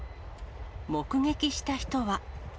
目撃した人は。